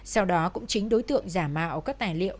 sau đó cũng chính đối tượng giả mạo các tài liệu